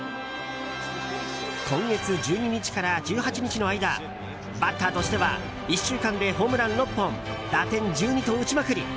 今月１２日から１８日の間バッターとしては１週間でホームラン６本打点１２と打ちまくり。